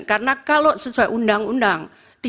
karena kalau sesuai undang undang tiga belas dua ribu sebelas